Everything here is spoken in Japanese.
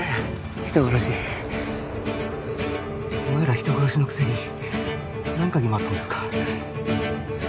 人殺しお前ら人殺しのくせに何嗅ぎ回っとんですか？